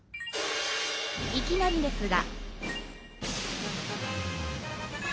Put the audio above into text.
いきなりですが。